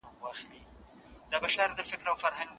انسان باید د ودې هڅه وکړي.